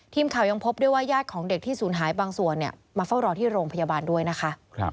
ทีมข่าวยังพบด้วยว่าญาติของเด็กที่ศูนย์หายบางส่วนมาเฝ้ารอที่โรงพยาบาลด้วยนะคะ